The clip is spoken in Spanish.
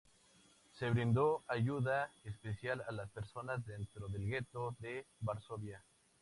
Se brindó ayuda especial a las personas dentro del gueto de Varsovia.